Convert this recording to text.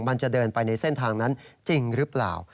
มันจะเดินไปในเส้นทางนั้นจริงหรือเปล่า